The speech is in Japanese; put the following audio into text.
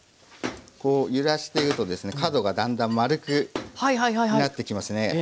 こう揺らしているとですね角がだんだん丸くなってきますね。